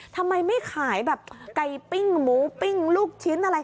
ทำไมไม่ขายแบบไก่ปิ้งหมูปิ้งลูกชิ้นอะไร